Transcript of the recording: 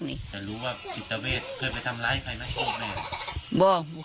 เขาไปทำร้ายใครด้วยแม่เหรอ